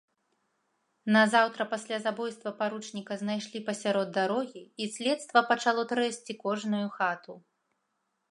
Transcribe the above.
Назаўтра пасля забойства паручніка знайшлі пасярод дарогі, і следства пачало трэсці кожную хату.